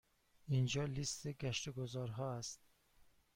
اینجا لیست گشت و گذار ها است.